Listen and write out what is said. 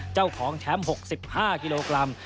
เจ้าของแชมป์๖๕กิโลกรัม